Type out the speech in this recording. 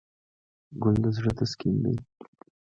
ګل د زړه تسکین دی.